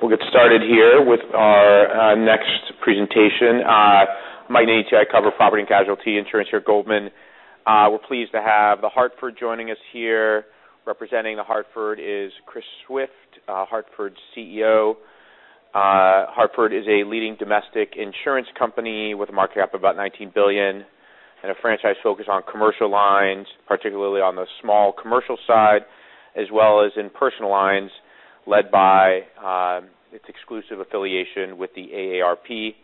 We'll get started here with our next presentation. Mike Nati, I cover property and casualty insurance here at Goldman. We're pleased to have The Hartford joining us here. Representing The Hartford is Chris Swift, The Hartford's CEO. The Hartford is a leading domestic insurance company with a market cap of about $19 billion, and a franchise focus on commercial lines, particularly on the small commercial side, as well as in personal lines led by its exclusive affiliation with the AARP.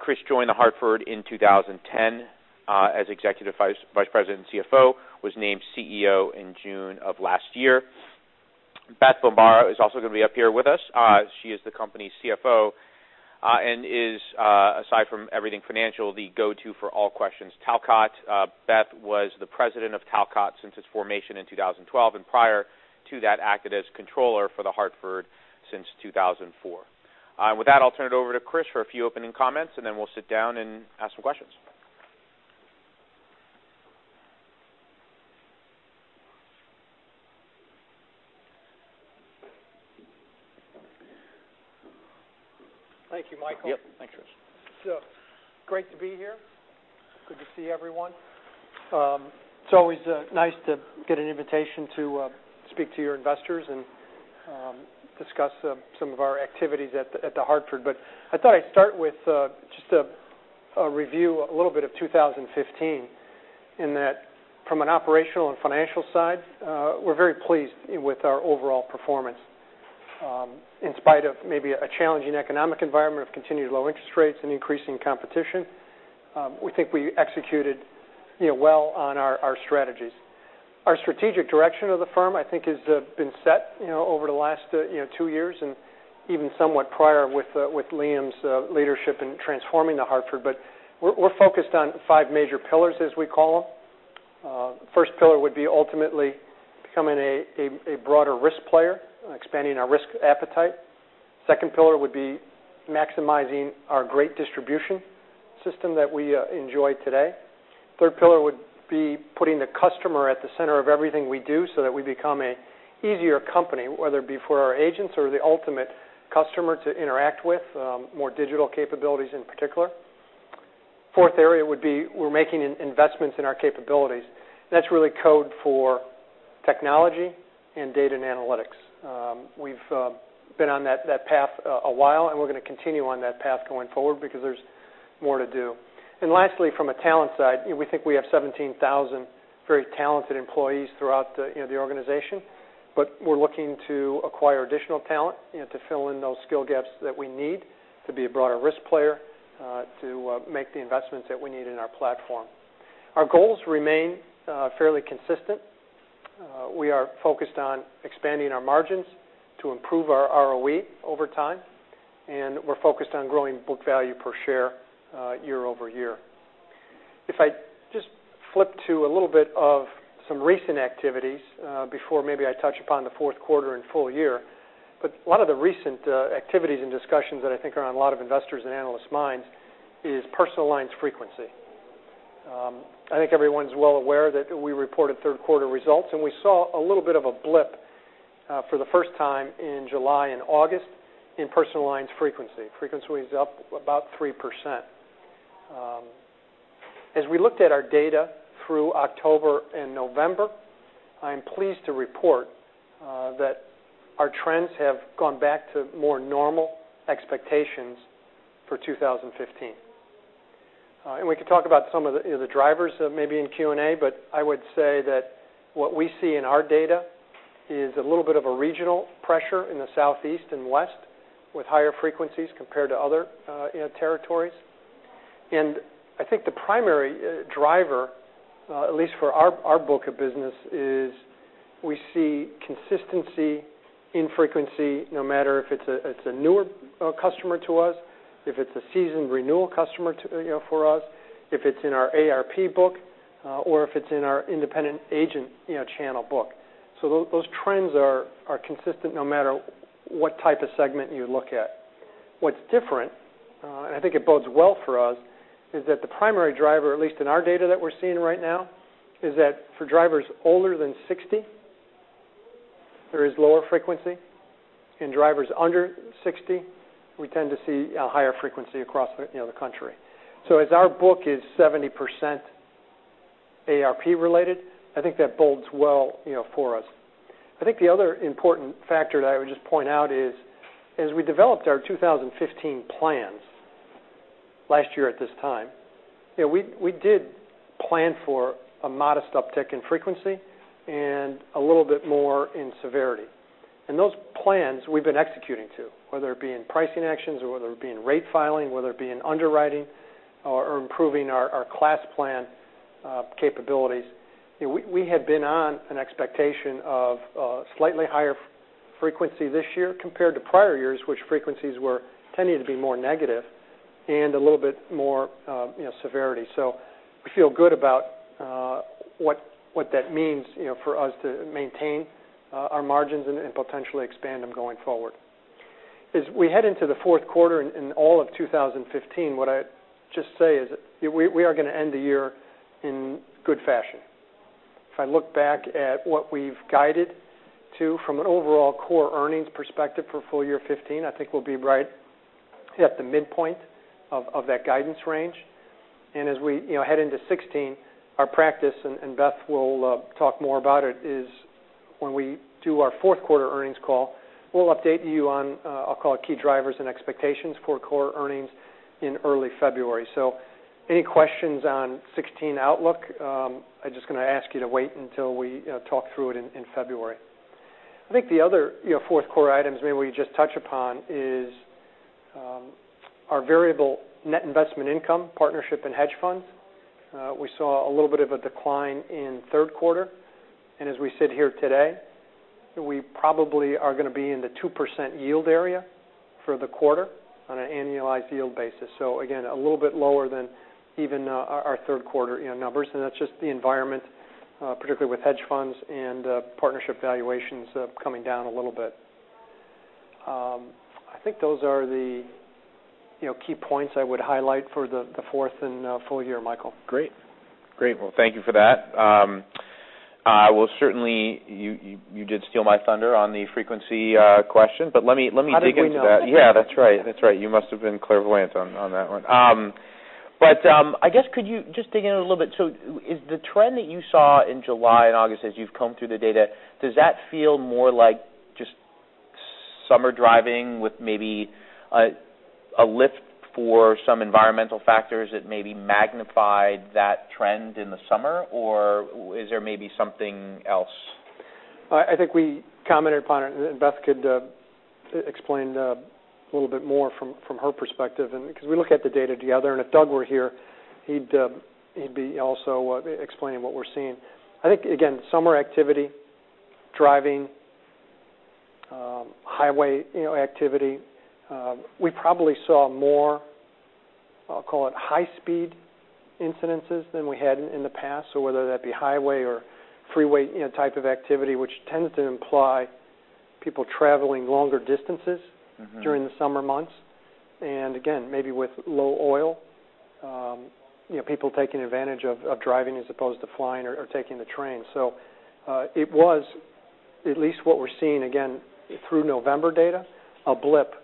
Chris joined The Hartford in 2010, as Executive Vice President and CFO, was named CEO in June of last year. Beth Bombara is also going to be up here with us. She is the company's CFO, and is, aside from everything financial, the go-to for all questions Talcott. Beth was the President of Talcott since its formation in 2012, and prior to that, acted as Controller for The Hartford since 2004. With that, I'll turn it over to Chris for a few opening comments, and then we'll sit down and ask some questions. Thank you, Mike. Yep. Thanks, Chris. Great to be here. Good to see everyone. It's always nice to get an invitation to speak to your investors and discuss some of our activities at The Hartford. I thought I'd start with just a review, a little bit of 2015, in that from an operational and financial side, we're very pleased with our overall performance. In spite of maybe a challenging economic environment of continued low interest rates and increasing competition, we think we executed well on our strategies. Our strategic direction of the firm, I think, has been set over the last two years, and even somewhat prior with Liam's leadership in transforming The Hartford. We're focused on five major pillars, as we call them. First pillar would be ultimately becoming a broader risk player, expanding our risk appetite. Second pillar would be maximizing our great distribution system that we enjoy today. Third pillar would be putting the customer at the center of everything we do so that we become an easier company, whether it be for our agents or the ultimate customer to interact with, more digital capabilities in particular. Fourth area would be we're making investments in our capabilities. That's really code for technology and data and analytics. We've been on that path a while, and we're going to continue on that path going forward because there's more to do. Lastly, from a talent side, we think we have 17,000 very talented employees throughout the organization. We're looking to acquire additional talent to fill in those skill gaps that we need to be a broader risk player, to make the investments that we need in our platform. Our goals remain fairly consistent. We are focused on expanding our margins to improve our ROE over time, and we're focused on growing book value per share year-over-year. If I just flip to a little bit of some recent activities before maybe I touch upon the fourth quarter and full year. A lot of the recent activities and discussions that I think are on a lot of investors' and analysts' minds is personal lines frequency. I think everyone's well aware that we reported third quarter results, and we saw a little bit of a blip for the first time in July and August in personal lines frequency. Frequency was up about 3%. As we looked at our data through October and November, I am pleased to report that our trends have gone back to more normal expectations for 2015. We can talk about some of the drivers maybe in Q&A, but I would say that what we see in our data is a little bit of a regional pressure in the Southeast and West with higher frequencies compared to other territories. I think the primary driver, at least for our book of business, is we see consistency in frequency, no matter if it's a newer customer to us, if it's a seasoned renewal customer for us, if it's in our AARP book, or if it's in our independent agent channel book. Those trends are consistent no matter what type of segment you look at. What's different, and I think it bodes well for us, is that the primary driver, at least in our data that we're seeing right now, is that for drivers older than 60, there is lower frequency. In drivers under 60, we tend to see a higher frequency across the country. As our book is 70% AARP related, I think that bodes well for us. I think the other important factor that I would just point out is, as we developed our 2015 plans last year at this time, we did plan for a modest uptick in frequency and a little bit more in severity. Those plans we've been executing to, whether it be in pricing actions or whether it be in rate filing, whether it be in underwriting or improving our class plan capabilities. We had been on an expectation of slightly higher frequency this year compared to prior years, which frequencies were tending to be more negative and a little bit more severity. We feel good about what that means for us to maintain our margins and potentially expand them going forward. As we head into the fourth quarter and all of 2015, what I just say is we are going to end the year in good fashion. If I look back at what we've guided to from an overall core earnings perspective for full year 2015, I think we'll be right at the midpoint of that guidance range. As we head into 2016, our practice, and Beth will talk more about it, is when we do our fourth quarter earnings call, we'll update you on, I'll call it, key drivers and expectations for core earnings in early February. Any questions on 2016 outlook, I'm just going to ask you to wait until we talk through it in February. I think the other fourth-core items maybe we just touch upon is our variable net investment income partnership and hedge funds. We saw a little bit of a decline in third quarter. As we sit here today, we probably are going to be in the 2% yield area for the quarter on an annualized yield basis. Again, a little bit lower than even our third quarter numbers. That's just the environment, particularly with hedge funds and partnership valuations coming down a little bit. I think those are the key points I would highlight for the fourth and full year, Mike. Great. Well, thank you for that. Well, certainly, you did steal my thunder on the frequency question, let me dig into that. How did we know? Yeah, that's right. You must've been clairvoyant on that one. I guess could you just dig in a little bit. Is the trend that you saw in July and August as you've combed through the data, does that feel more like just summer driving with maybe a lift for some environmental factors that maybe magnified that trend in the summer, or is there maybe something else? I think we commented upon it, Beth could explain a little bit more from her perspective because we look at the data together. If Doug were here, he'd be also explaining what we're seeing. I think, again, summer activity, driving, highway activity. We probably saw more, I'll call it, high speed incidences than we had in the past. Whether that be highway or freeway type of activity, which tends to imply people traveling longer distances during the summer months. Again, maybe with low oil, people taking advantage of driving as opposed to flying or taking the train. It was at least what we're seeing again through November data, a blip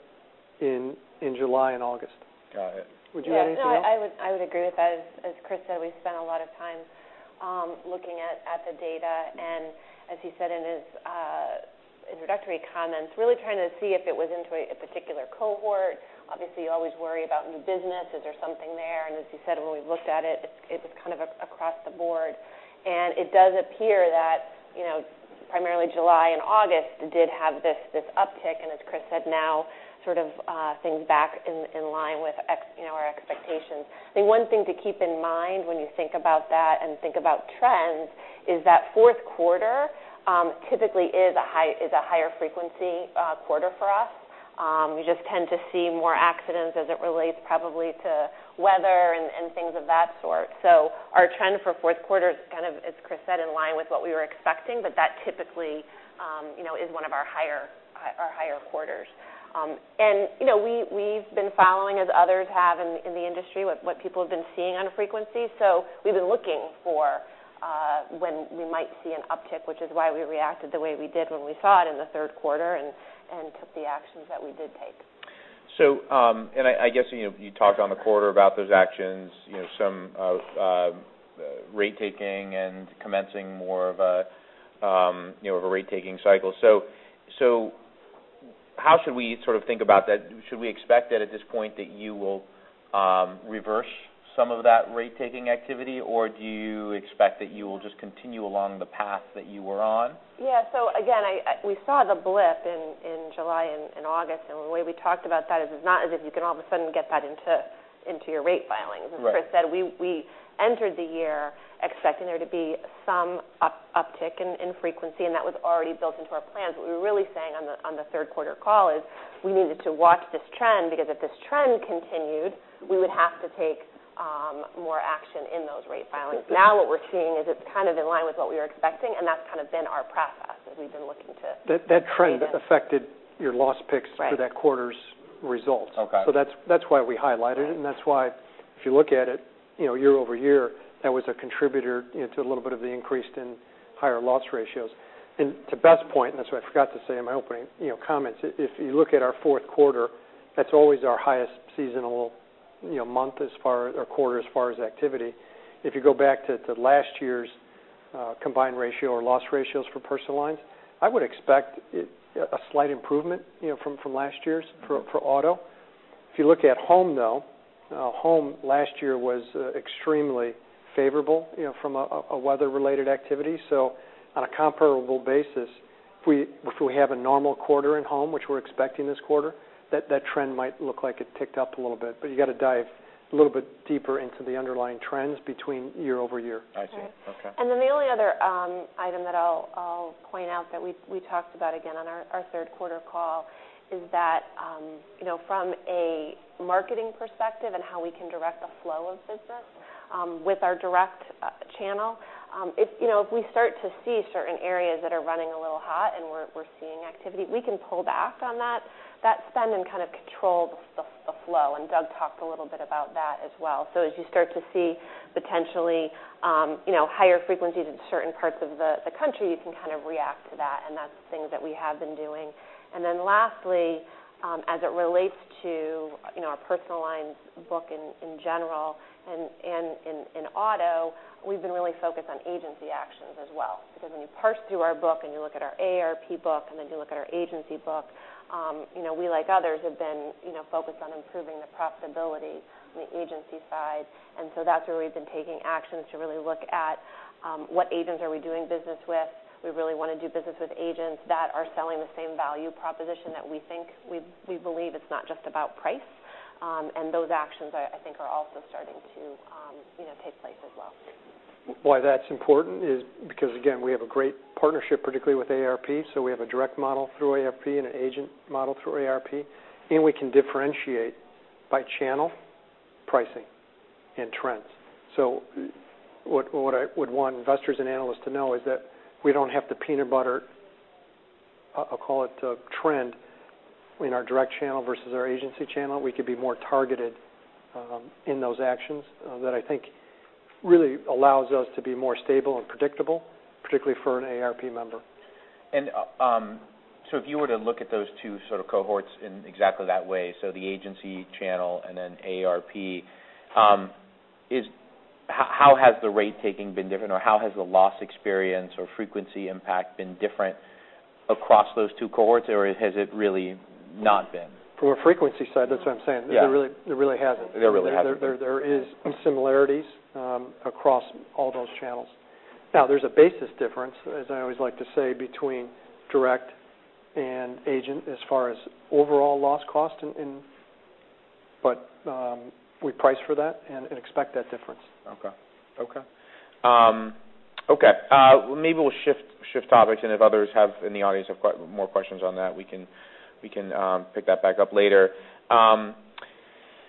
in July and August. Got it. Would you add anything else? Yeah, no, I would agree with that. As Chris said, we spent a lot of time looking at the data, and as he said in his introductory comments, really trying to see if it was into a particular cohort. Obviously, you always worry about new business. Is there something there? As you said, when we looked at it was kind of across the board. It does appear that primarily July and August did have this uptick, and as Chris said, now sort of things back in line with our expectations. I think one thing to keep in mind when you think about that and think about trends is that fourth quarter typically is a higher frequency quarter for us. We just tend to see more accidents as it relates probably to weather and things of that sort. Our trend for fourth quarter is kind of, as Chris said, in line with what we were expecting, but that typically is one of our higher quarters. We've been following, as others have in the industry, what people have been seeing on frequency. We've been looking for when we might see an uptick, which is why we reacted the way we did when we saw it in the third quarter and took the actions that we did take. I guess you talked on the quarter about those actions, some rate taking and commencing more of a rate taking cycle. How should we sort of think about that? Should we expect that at this point that you will reverse some of that rate taking activity, or do you expect that you will just continue along the path that you were on? Again, we saw the blip in July and August, and the way we talked about that is it's not as if you can all of a sudden get that into your rate filings. Right. As Chris said, we entered the year expecting there to be some uptick in frequency, and that was already built into our plans. We were really saying on the third quarter call is we needed to watch this trend because if this trend continued, we would have to take more action in those rate filings. What we're seeing is it's kind of in line with what we were expecting, and that's kind of been our process as we've been looking to. That trend affected your loss picks. Right for that quarter's results. Okay. That's why we highlighted it. Right. That's why if you look at it year-over-year, that was a contributor into a little bit of the increase in higher loss ratios. To Beth's point, that's what I forgot to say in my opening comments, if you look at our fourth quarter, that's always our highest seasonal month as far, or quarter as far as activity. If you go back to last year's combined ratio or loss ratios for personal lines, I would expect a slight improvement from last year's for auto. If you look at home, though, home last year was extremely favorable from a weather-related activity. On a comparable basis, if we have a normal quarter in home, which we're expecting this quarter, that trend might look like it ticked up a little bit, but you got to dive a little bit deeper into the underlying trends between year-over-year. I see. Okay. Right. Then the only other item that I'll point out that we talked about again on our third quarter call is that from a marketing perspective and how we can direct the flow of business with our direct channel, if we start to see certain areas that are running a little hot and we're seeing activity, we can pull back on that spend and kind of control the flow. Doug talked a little bit about that as well. As you start to see Potentially higher frequencies in certain parts of the country, you can react to that, and that's things that we have been doing. Lastly, as it relates to our personal lines book in general and auto, we've been really focused on agency actions as well, because when you parse through our book and you look at our AARP book, you look at our agency book we, like others, have been focused on improving the profitability on the agency side. That's where we've been taking actions to really look at what agents are we doing business with. We really want to do business with agents that are selling the same value proposition that we think. We believe it's not just about price. Those actions, I think, are also starting to take place as well. Why that's important is because, again, we have a great partnership, particularly with AARP. We have a direct model through AARP and an agent model through AARP, and we can differentiate by channel pricing and trends. What I would want investors and analysts to know is that we don't have to peanut butter, I'll call it, trend in our direct channel versus our agency channel. We could be more targeted in those actions that I think really allows us to be more stable and predictable, particularly for an AARP member. If you were to look at those two sort of cohorts in exactly that way, the agency channel and AARP, how has the rate taking been different, or how has the loss experience or frequency impact been different across those two cohorts? Or has it really not been? From a frequency side, that's what I'm saying. Yeah. There really hasn't. There really hasn't been. There is similarities across all those channels. Now, there's a basis difference, as I always like to say, between direct and agent as far as overall loss cost, but we price for that and expect that difference. Okay. Maybe we'll shift topics, and if others have in the audience have more questions on that, we can pick that back up later.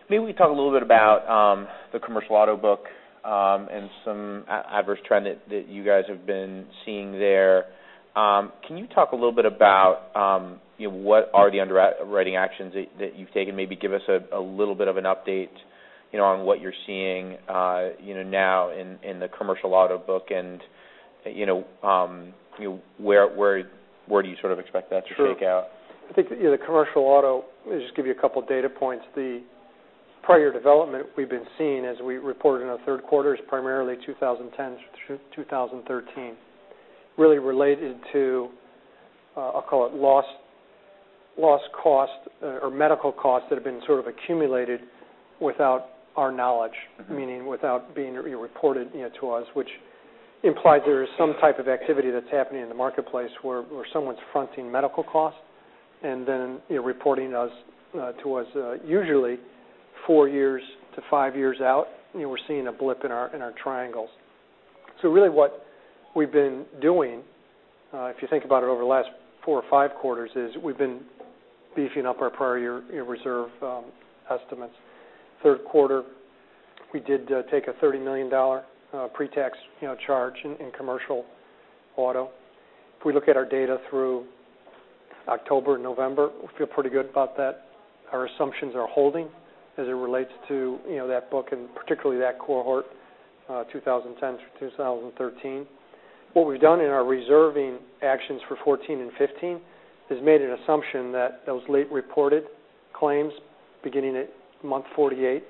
Maybe we can talk a little bit about the commercial auto book and some adverse trend that you guys have been seeing there. Can you talk a little bit about what are the underwriting actions that you've taken? Maybe give us a little bit of an update on what you're seeing now in the commercial auto book, and where do you sort of expect that to shake out? Sure. I think the commercial auto, let me just give you a couple data points. The prior development we've been seeing as we reported in our third quarter is primarily 2010 to 2013, really related to, I'll call it, loss cost or medical costs that have been sort of accumulated without our knowledge. Meaning without being reported to us, which implies there is some type of activity that's happening in the marketplace where someone's fronting medical costs and then reporting to us usually four years to five years out. We're seeing a blip in our triangles. Really what we've been doing, if you think about it over the last four or five quarters, is we've been beefing up our prior year reserve estimates. Third quarter, we did take a $30 million pre-tax charge in commercial auto. If we look at our data through October, November, we feel pretty good about that. Our assumptions are holding as it relates to that book and particularly that cohort, 2010 to 2013. What we've done in our reserving actions for 2014 and 2015 has made an assumption that those late reported claims, beginning at month 48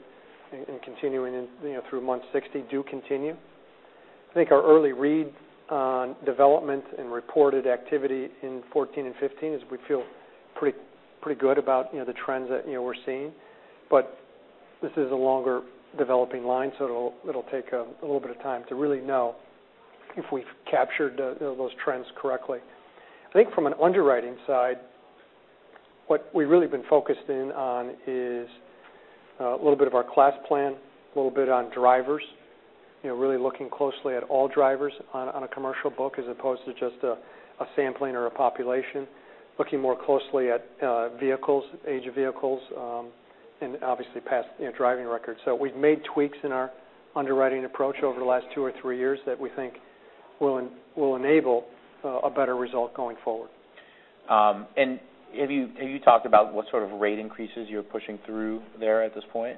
and continuing through month 60, do continue. I think our early read on development and reported activity in 2014 and 2015 is we feel pretty good about the trends that we're seeing. This is a longer developing line, it'll take a little bit of time to really know if we've captured those trends correctly. I think from an underwriting side, what we've really been focused in on is a little bit of our class plan, a little bit on drivers, really looking closely at all drivers on a commercial book as opposed to just a sampling or a population. Looking more closely at vehicles, age of vehicles, and obviously past driving records. We've made tweaks in our underwriting approach over the last two or three years that we think will enable a better result going forward. Have you talked about what sort of rate increases you're pushing through there at this point?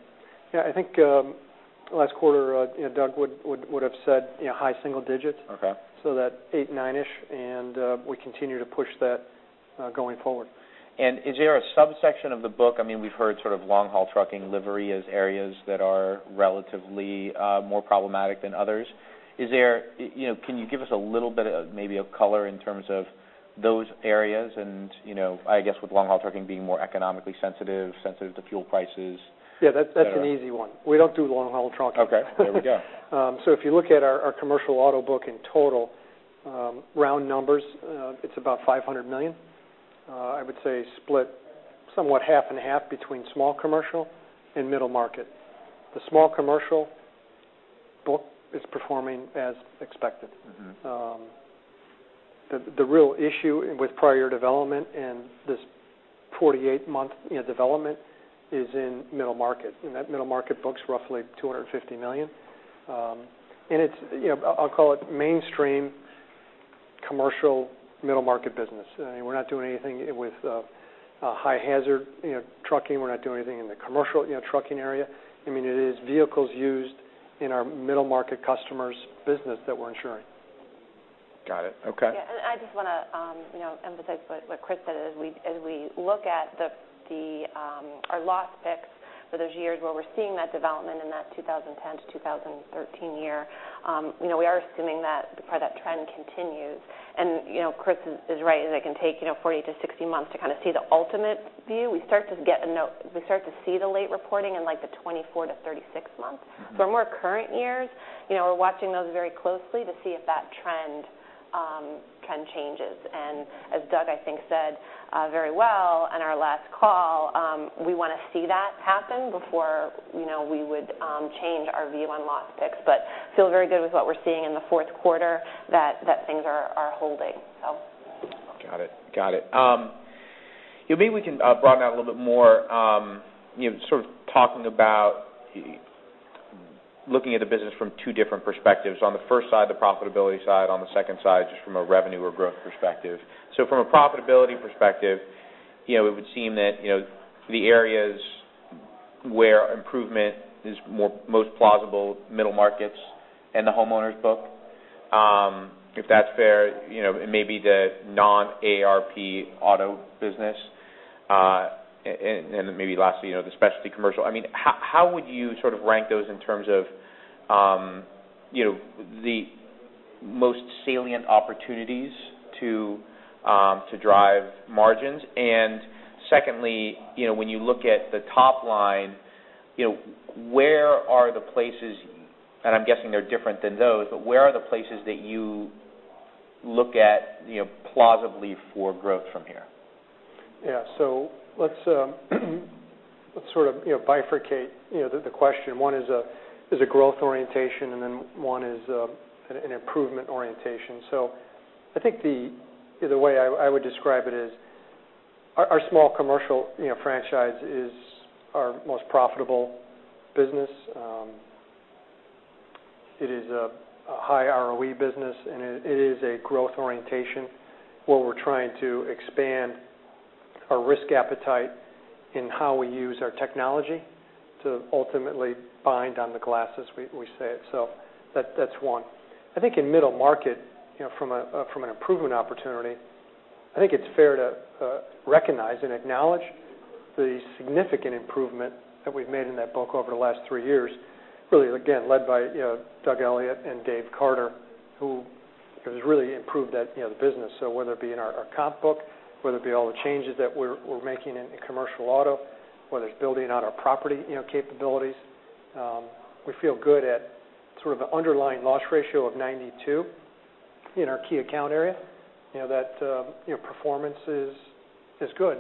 Yeah, I think last quarter Doug would have said high single digits. Okay. That eight, nine-ish, and we continue to push that going forward. Is there a subsection of the book? We've heard long haul trucking, livery as areas that are relatively more problematic than others. Can you give us a little bit maybe of color in terms of those areas and, I guess, with long haul trucking being more economically sensitive to fuel prices? Yeah, that's an easy one. We don't do long haul trucking. Okay. There we go. If you look at our commercial auto book in total, round numbers, it's about $500 million. I would say split somewhat half and half between small commercial and middle market. The small commercial book is performing as expected. The real issue with prior development and this 48-month development is in middle market. That middle market book's roughly $250 million. It's, I'll call it mainstream commercial middle market business. We're not doing anything with high hazard trucking. We're not doing anything in the commercial trucking area. It is vehicles used in our middle market customers' business that we're insuring. Got it. Okay. I just want to emphasize what Chris said. As we look at our loss picks for those years where we're seeing that development in that 2010 to 2013 year, we are assuming that trend continues. Chris is right, as it can take 40 to 60 months to kind of see the ultimate view. We start to see the late reporting in the 24 to 36 months. For more current years, we're watching those very closely to see if that trend changes. As Doug, I think, said very well on our last call, we want to see that happen before we would change our view on loss picks. Feel very good with what we're seeing in the fourth quarter that things are holding. Got it. Maybe we can broaden out a little bit more, sort of talking about looking at the business from two different perspectives. On the first side, the profitability side, on the second side, just from a revenue or growth perspective. From a profitability perspective, it would seem that the areas where improvement is most plausible, middle markets and the homeowners book. If that's fair, maybe the non-AARP auto business. Maybe lastly, the specialty commercial. How would you sort of rank those in terms of the most salient opportunities to drive margins? Secondly, when you look at the top line, where are the places, and I'm guessing they're different than those, but where are the places that you look at plausibly for growth from here? Let's sort of bifurcate the question. One is a growth orientation, one is an improvement orientation. I think the way I would describe it is our small commercial franchise is our most profitable business. It is a high ROE business, it is a growth orientation where we're trying to expand our risk appetite in how we use our technology to ultimately bind on the classes we say it. That's one. I think in middle market, from an improvement opportunity, I think it's fair to recognize and acknowledge the significant improvement that we've made in that book over the last three years, really, again, led by Doug Elliott and David Carter, who has really improved the business. Whether it be in our comp book, whether it be all the changes that we're making in commercial auto, whether it's building out our property capabilities, we feel good at sort of the underlying loss ratio of 92 in our key account area. That performance is good,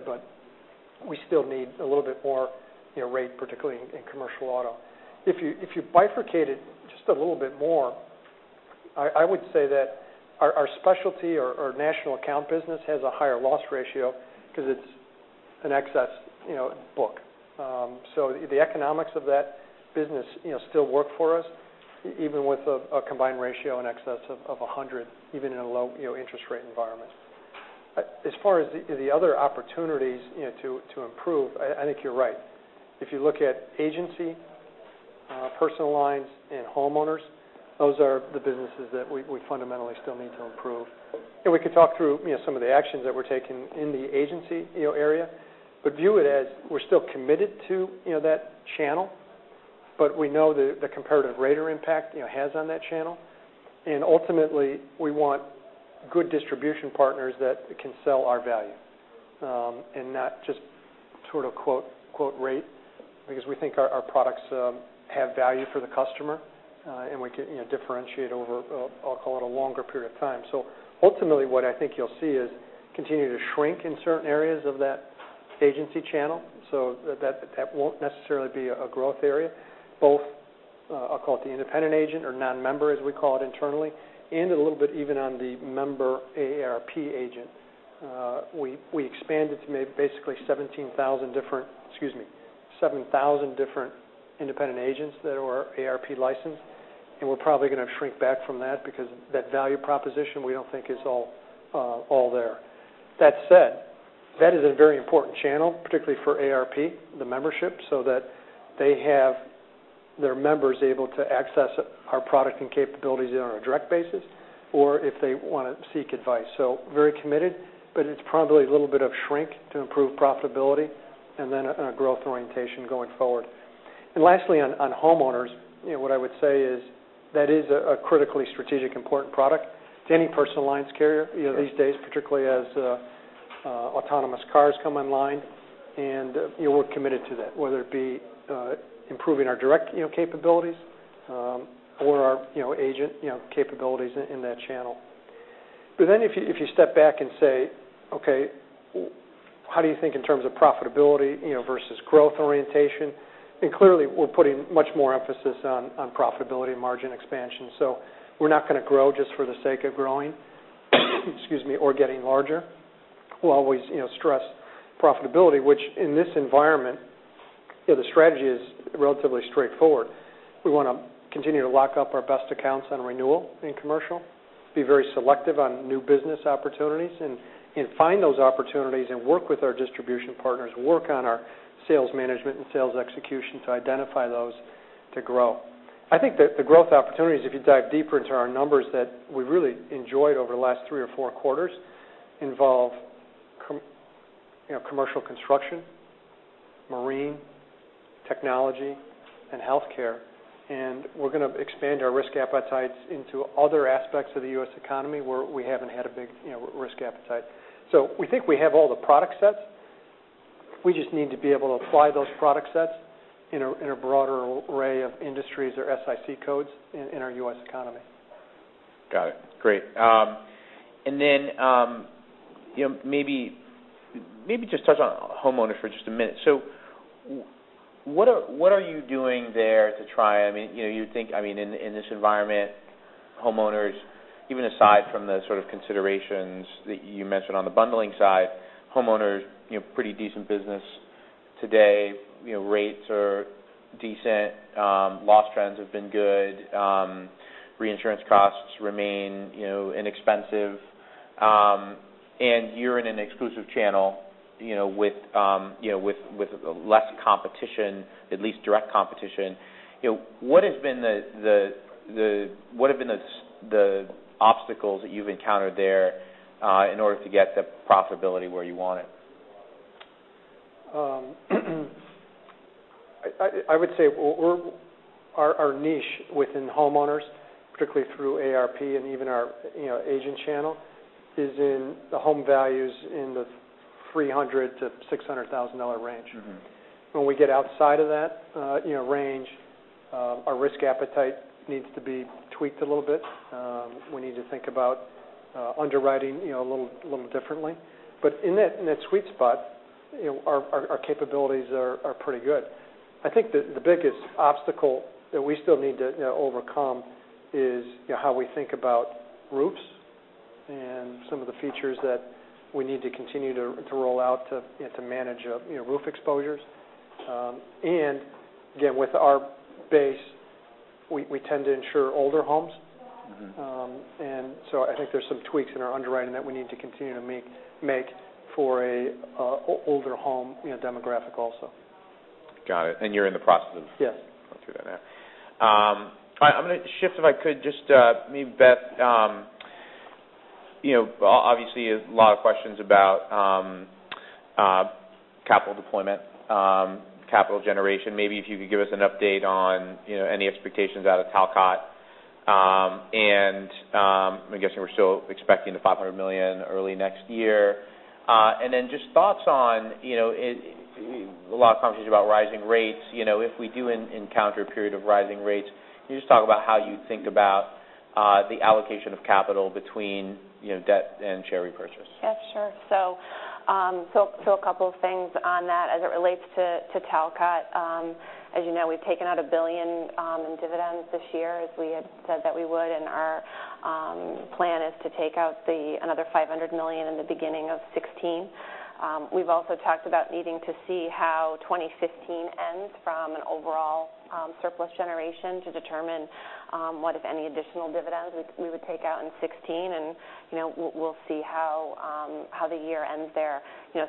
we still need a little bit more rate, particularly in commercial auto. If you bifurcate it just a little bit more, I would say that our specialty or national account business has a higher loss ratio because it's an excess book. The economics of that business still work for us, even with a combined ratio in excess of 100, even in a low interest rate environment. As far as the other opportunities to improve, I think you're right. If you look at agency, personal lines, and homeowners, those are the businesses that we fundamentally still need to improve. We could talk through some of the actions that we're taking in the agency area. View it as we're still committed to that channel, but we know the comparative rater impact it has on that channel. Ultimately, we want good distribution partners that can sell our value. Not just sort of quote rate, because we think our products have value for the customer, and we can differentiate over, I'll call it, a longer period of time. Ultimately, what I think you'll see is continue to shrink in certain areas of that agency channel. That won't necessarily be a growth area. Both, I'll call it the independent agent or non-member as we call it internally, and a little bit even on the member AARP agent. We expanded to basically 7,000 different independent agents that are AARP licensed. We're probably going to shrink back from that because that value proposition, we don't think is all there. That said, that is a very important channel, particularly for AARP, the membership, so that they have their members able to access our product and capabilities either on a direct basis or if they want to seek advice. Very committed, but it's probably a little bit of shrink to improve profitability and then a growth orientation going forward. Lastly, on homeowners, what I would say is that is a critically strategic important product to any personal lines carrier these days, particularly as autonomous cars come online. We're committed to that, whether it be improving our direct capabilities or our agent capabilities in that channel. If you step back and say, okay, how do you think in terms of profitability versus growth orientation? Clearly, we're putting much more emphasis on profitability and margin expansion. We're not going to grow just for the sake of growing, excuse me, or getting larger. We'll always stress profitability, which in this environment. The strategy is relatively straightforward. We want to continue to lock up our best accounts on renewal in commercial, be very selective on new business opportunities, and find those opportunities and work with our distribution partners, work on our sales management and sales execution to identify those to grow. I think that the growth opportunities, if you dive deeper into our numbers that we really enjoyed over the last three or four quarters, involve commercial construction, marine, technology, and healthcare. We're going to expand our risk appetites into other aspects of the U.S. economy where we haven't had a big risk appetite. We think we have all the product sets. We just need to be able to apply those product sets in a broader array of industries or SIC codes in our U.S. economy. Got it. Great. Maybe just touch on homeowners for just a minute. What are you doing there to try, you'd think, in this environment, homeowners, even aside from the sort of considerations that you mentioned on the bundling side, homeowners, pretty decent business today. Rates are decent. Loss trends have been good. Reinsurance costs remain inexpensive. You're in an exclusive channel with less competition, at least direct competition. What have been the obstacles that you've encountered there in order to get the profitability where you want it? I would say our niche within homeowners, particularly through AARP and even our agent channel, is in the home values in the $300,000-$600,000 range. When we get outside of that range, our risk appetite needs to be tweaked a little bit. We need to think about underwriting a little differently. In that sweet spot, our capabilities are pretty good. I think the biggest obstacle that we still need to overcome is how we think about roofs and some of the features that we need to continue to roll out to manage roof exposures. Again, with our base, we tend to insure older homes. I think there's some tweaks in our underwriting that we need to continue to make for an older home demographic also. Got it. You're in the process of Yes going through that now. I'm going to shift, if I could, just maybe Beth. Obviously, a lot of questions about capital deployment, capital generation. Maybe if you could give us an update on any expectations out of Talcott. I'm guessing we're still expecting the $500 million early next year. Then just thoughts on a lot of conversations about rising rates. If we do encounter a period of rising rates, can you just talk about how you think about the allocation of capital between debt and share repurchase? Yeah, sure. A couple of things on that as it relates to Talcott. As you know, we've taken out $1 billion in dividends this year, as we had said that we would. Our plan is to take out another $500 million in the beginning of 2016. We've also talked about needing to see how 2015 ends from an overall surplus generation to determine what, if any, additional dividends we would take out in 2016. We'll see how the year ends there.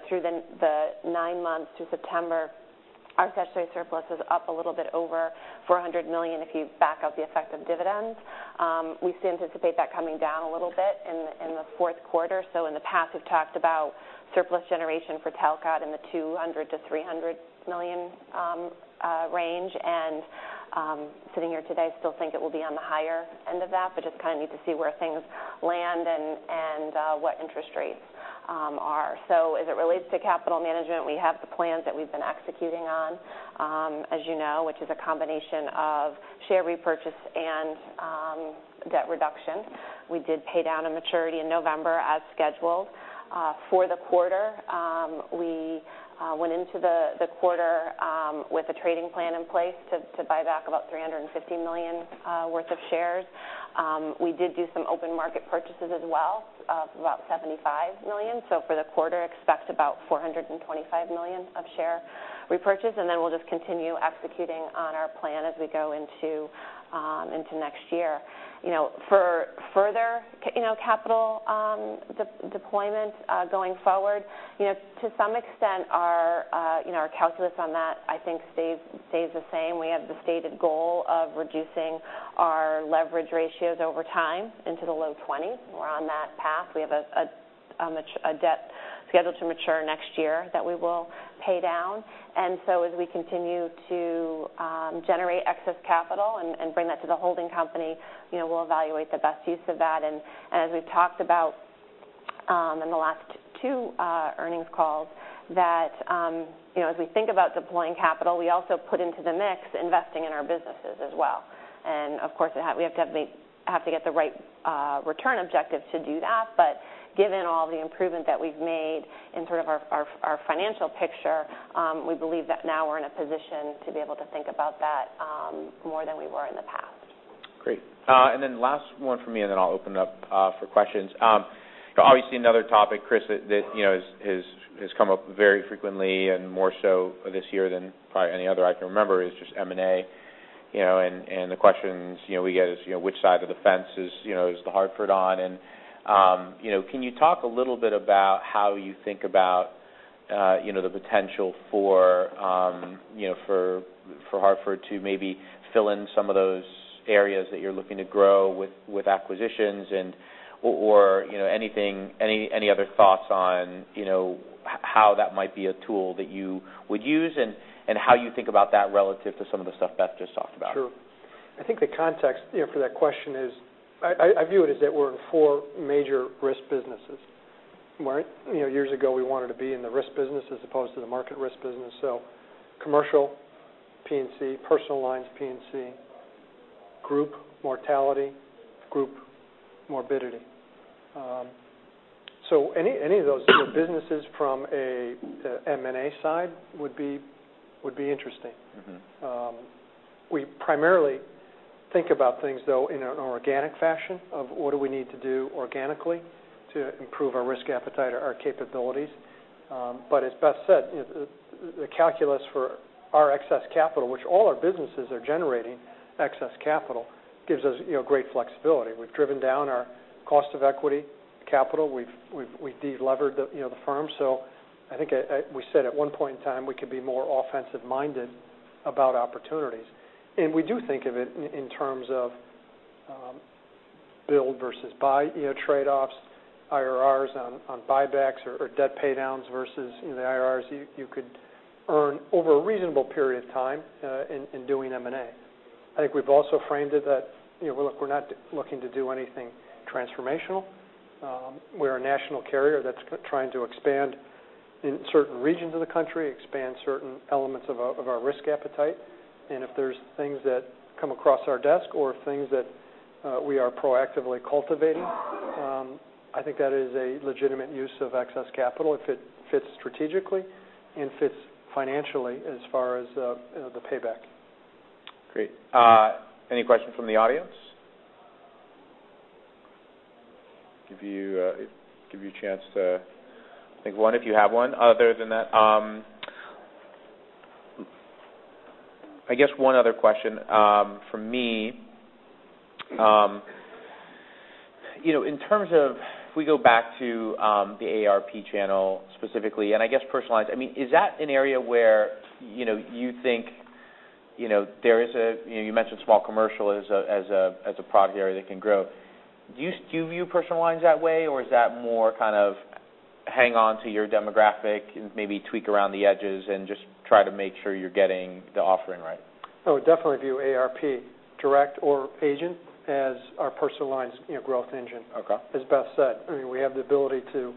Through the nine months to September, our statutory surplus is up a little bit over $400 million if you back out the effect of dividends. We still anticipate that coming down a little bit in the fourth quarter. In the past, we've talked about surplus generation for Talcott in the $200 million-$300 million range. Sitting here today, still think it will be on the higher end of that, but just kind of need to see where things land and what interest rates are. As it relates to capital management, we have the plans that we've been executing on, as you know, which is a combination of share repurchase and debt reduction. We did pay down a maturity in November as scheduled. For the quarter, we went into the quarter with a trading plan in place to buy back about $350 million worth of shares. We did do some open market purchases as well of about $75 million. For the quarter, expect about $425 million of share repurchase. Then we'll just continue executing on our plan as we go into next year. For further capital deployment going forward, to some extent, our calculus on that I think stays the same. We have the stated goal of reducing our leverage ratios over time into the low 20s. We're on that path. We have a debt scheduled to mature next year that we will pay down. As we continue to generate excess capital and bring that to the holding company, we'll evaluate the best use of that. As we've talked about in the last two earnings calls, as we think about deploying capital, we also put into the mix investing in our businesses as well. Of course, we have to get the right return objective to do that. Given all the improvement that we've made in sort of our financial picture, we believe that now we're in a position to be able to think about that more than we were in the past. Great. Last one from me, I'll open it up for questions. Obviously, another topic, Chris, that has come up very frequently and more so this year than probably any other I can remember is just M&A. The questions we get is, which side of the fence is The Hartford on? Can you talk a little bit about how you think about the potential for Hartford to maybe fill in some of those areas that you're looking to grow with acquisitions, or any other thoughts on how that might be a tool that you would use, and how you think about that relative to some of the stuff Beth just talked about? Sure. I think the context for that question is, I view it as that we're in four major risk businesses, right? Years ago, we wanted to be in the risk business as opposed to the market risk business. Commercial P&C, personal lines P&C, group mortality, group morbidity. Any of those businesses from a M&A side would be interesting. We primarily think about things, though, in an organic fashion of what do we need to do organically to improve our risk appetite or our capabilities. As Beth said, the calculus for our excess capital, which all our businesses are generating excess capital, gives us great flexibility. We've driven down our cost of equity capital. We've de-levered the firm. I think we said at one point in time, we could be more offensive-minded about opportunities. We do think of it in terms of build versus buy trade-offs, IRR on buybacks or debt pay downs versus the IRR you could earn over a reasonable period of time in doing M&A. I think we've also framed it that, look, we're not looking to do anything transformational. We're a national carrier that's trying to expand in certain regions of the country, expand certain elements of our risk appetite. If there's things that come across our desk or things that we are proactively cultivating, I think that is a legitimate use of excess capital if it fits strategically and fits financially as far as the payback. Great. Any questions from the audience? Give you a chance to take one if you have one. Other than that, I guess one other question from me. If we go back to the AARP channel specifically, and I guess personal lines, you mentioned small commercial as a product area that can grow. Do you view personal lines that way, or is that more kind of hang on to your demographic and maybe tweak around the edges and just try to make sure you're getting the offering right? Definitely view AARP, direct or agent, as our personal lines growth engine. Okay. As Beth said, we have the ability to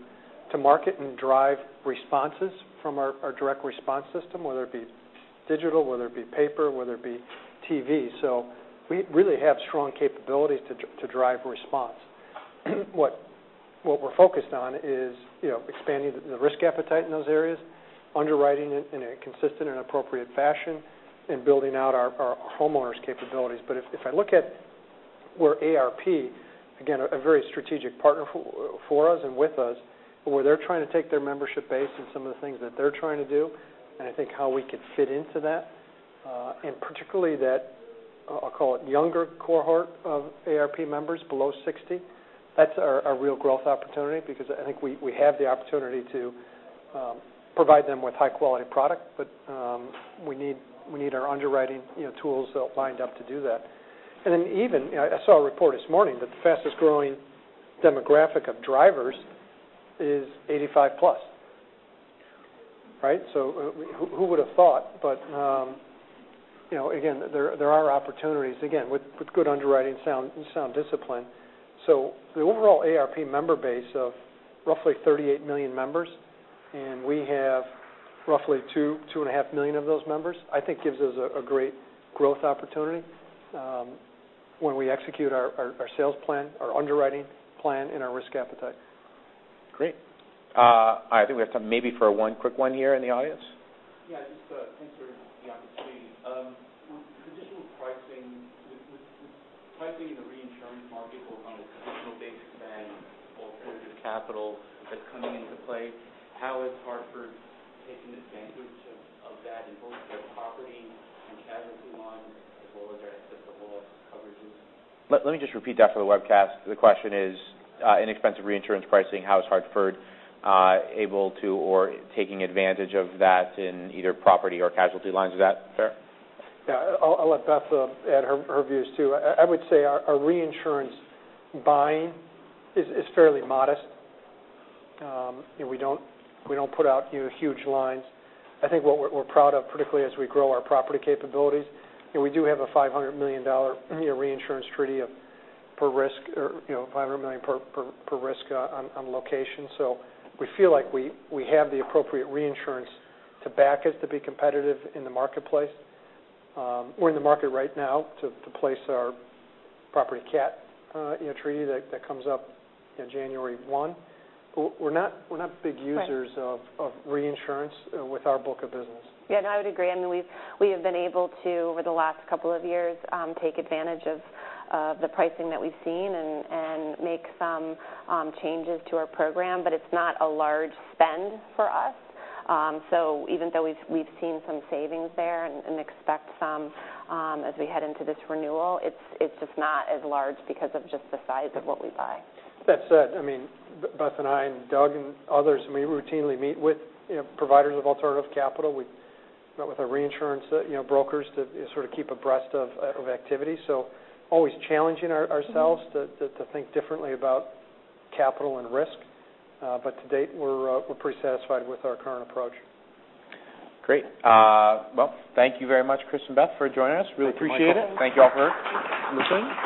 market and drive responses from our direct response system, whether it be digital, whether it be paper, whether it be TV. We really have strong capabilities to drive response. What we're focused on is expanding the risk appetite in those areas, underwriting it in a consistent and appropriate fashion, and building out our homeowners capabilities. If I look at where AARP, again, a very strategic partner for us and with us, but where they're trying to take their membership base and some of the things that they're trying to do, and I think how we could fit into that. Particularly that, I'll call it, younger cohort of AARP members below 60, that's a real growth opportunity because I think we have the opportunity to provide them with high-quality product, but we need our underwriting tools lined up to do that. Even, I saw a report this morning that the fastest growing demographic of drivers is 85-plus. Right? Who would have thought? Again, there are opportunities, again, with good underwriting sound discipline. The overall AARP member base of roughly 38 million members, and we have roughly two and a half million of those members, I think gives us a great growth opportunity when we execute our sales plan, our underwriting plan, and our risk appetite. Great. I think we have time maybe for one quick one here in the audience. Yeah, just thanks for the opportunity. With traditional pricing, with pricing in the reinsurance market on a traditional basis than alternative capital that's coming into play, how is Hartford taking advantage of that in both their property and casualty lines as well as their excess casualty coverages? Let me just repeat that for the webcast. The question is inexpensive reinsurance pricing, how is Hartford able to or taking advantage of that in either property or casualty lines? Is that fair? Yeah. I'll let Beth add her views, too. I would say our reinsurance buying is fairly modest. We don't put out huge lines. I think what we're proud of, particularly as we grow our property capabilities, we do have a $500 million reinsurance treaty per risk or $500 million per risk on location. We feel like we have the appropriate reinsurance to back us to be competitive in the marketplace. We're in the market right now to place our property cat treaty that comes up January 1. We're not big users- Right of reinsurance with our book of business. Yeah, I would agree. We have been able to, over the last couple of years, take advantage of the pricing that we've seen and make some changes to our program. It's not a large spend for us. Even though we've seen some savings there and expect some as we head into this renewal, it's just not as large because of just the size of what we buy. That said, Beth and I and Doug and others, we routinely meet with providers of alternative capital. We met with our reinsurance brokers to sort of keep abreast of activity. Always challenging ourselves to think differently about capital and risk. To date, we're pretty satisfied with our current approach. Great. Well, thank you very much, Chris and Beth, for joining us. Really appreciate it. Mike. Thank you all for listening.